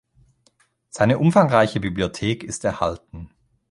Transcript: Seine umfangreiche Bibliothek ist erhalten.